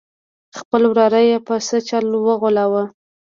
خپل وراره یې په څه چل وغولاوه.